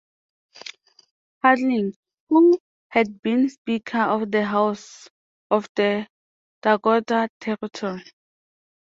Harding, who had been Speaker of the House of the Dakota Territory.